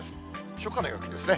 初夏の陽気ですね。